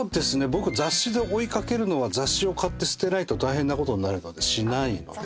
僕雑誌で追い掛けるのは雑誌を買って捨てないと大変なことになるのでしない。